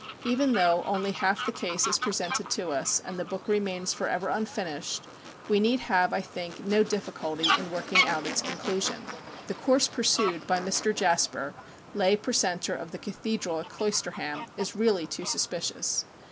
Even though only half the case is presented to us, and the book remains for ever unfinished, we need have, I think, no difficulty in working out its conclusion. The course pursued by Mr. Jasper, Lay Precentor of the Cathedral at Cloisterham, is really too suspicious.